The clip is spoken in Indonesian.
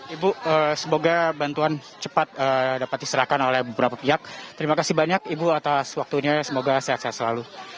ibu semoga bantuan cepat dapat diserahkan oleh beberapa pihak terima kasih banyak ibu atas waktunya semoga sehat sehat selalu